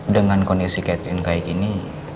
dengan kondisi catherine kayak gini